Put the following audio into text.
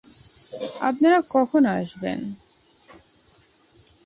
আপনারা কখন আসছেন?